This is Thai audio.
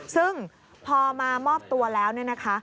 ซึ่งพอมามอบตัวแล้วเนี่ยนะคะ